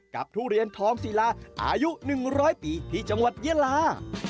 ทุเรียนทองศิลาอายุ๑๐๐ปีที่จังหวัดยาลา